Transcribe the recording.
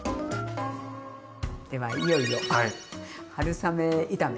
ではいよいよ春雨炒め。